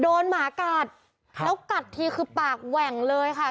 หมากัดแล้วกัดทีคือปากแหว่งเลยค่ะ